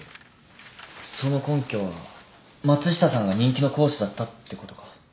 その根拠は松下さんが人気の講師だったってことか。